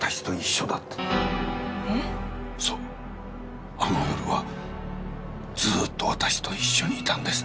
そうあの夜はずーっと私と一緒にいたんです。